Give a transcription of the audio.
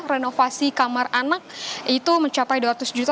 renovasi kamar anak itu mencapai dua ratus juta